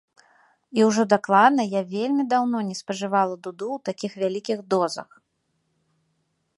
І ўжо дакладна я вельмі даўно не спажывала дуду ў такіх вялікіх дозах.